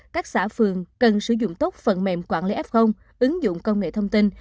các xã phường cần sử dụng tốt phần mềm quản lý f ứng dụng công nghệ thông tin